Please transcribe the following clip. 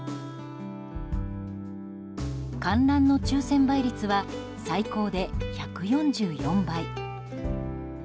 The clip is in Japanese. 観覧の抽選倍率は最高で１４４倍。